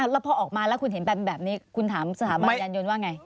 แล้วพอออกมาแล้วคุณเห็นแบบนี้คุณถามสถาบันยานยนต์ว่าไง